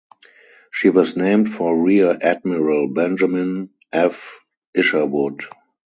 She was named for Rear Admiral Benjamin F. Isherwood.